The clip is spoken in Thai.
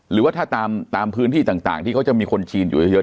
หรือว่าถ้าตามพื้นที่ต่างที่เขาจะมีคนจีนอยู่เยอะ